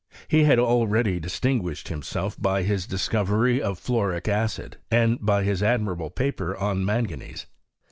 He had already distinguished himself by his discovery of fluoric acid, and by his admirable paper on manganese.